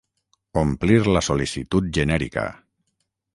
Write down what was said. Omplir la sol·licitud genèrica.